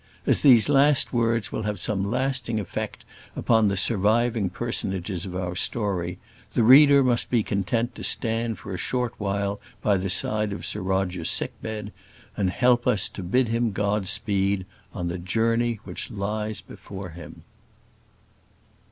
As these last words will have some lasting effect upon the surviving personages of our story, the reader must be content to stand for a short while by the side of Sir Roger's sick bed, and help us to bid him God speed on the journey which lies before him.